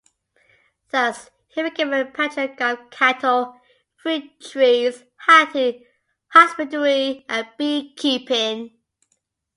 Thus he became the patron god of cattle, fruit trees, hunting, husbandry, and bee-keeping.